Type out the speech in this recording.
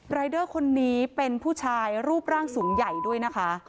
รายเดอร์คนนี้เป็นผู้ชายรูปร่างสูงใหญ่ด้วยนะคะ